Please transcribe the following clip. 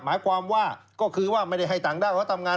หมายความว่าก็คือว่าไม่ได้ให้ต่างด้าวเขาทำงาน